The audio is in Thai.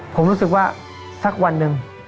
ผมรู้สึกว่าสักวันหนึ่ง